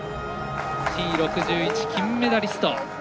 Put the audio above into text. Ｔ６１金メダリスト。